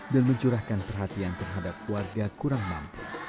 dan mencurahkan perhatian terhadap keluarga kurang mampu